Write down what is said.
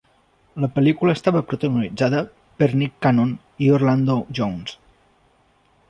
La pel·lícula estava protagonitzada per Nick Cannon i Orlando Jones.